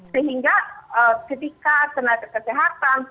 sehingga ketika kena kesehatan